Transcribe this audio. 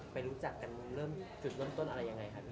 รู้จักกันเริ่มจุดเริ่มต้นอะไรยังไงครับ